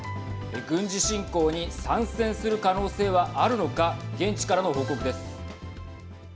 軍事侵攻に参戦する可能性はあるのか現地からの報告です。